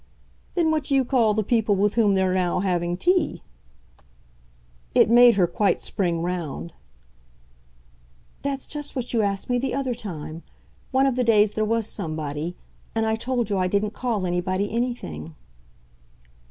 "Then what do you call the people with whom they're now having tea?" It made her quite spring round. "That's just what you asked me the other time one of the days there was somebody. And I told you I didn't call anybody anything."